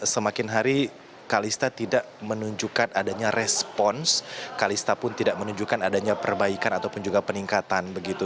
semakin hari kalista tidak menunjukkan adanya respons kalista pun tidak menunjukkan adanya perbaikan ataupun juga peningkatan begitu